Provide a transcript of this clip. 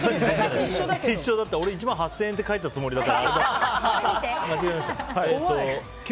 一緒だった、１万８０００円って書いたつもりだった。